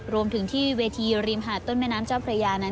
รวมถึงที่เวทีริมหาดต้นแม่น้ำเจ้าพระยานั้น